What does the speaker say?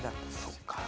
そっか。